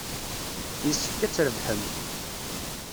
Yessefk ad trebḥem.